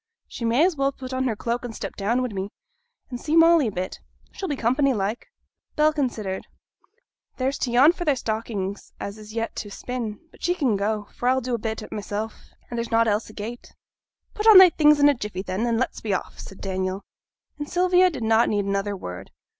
She may as well put on her cloak and step down wi' me, and see Molly a bit; she'll be company like.' Bell considered. 'There's t' yarn for thy stockings as is yet to spin; but she can go, for I'll do a bit at 't mysel', and there's nought else agate.' 'Put on thy things in a jiffy, then, and let's be off,' said Daniel. And Sylvia did not need another word.